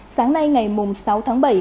sáng nay ngày sáu tháng bảy